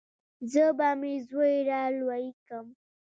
زه به مې زوى رالوى کم.